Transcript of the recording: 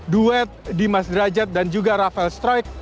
duet dimas derajat dan juga rafael stroik